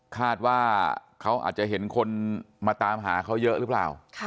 คาดว่าเขาอาจจะเห็นคนมาตามหาเขาเยอะหรือเปล่า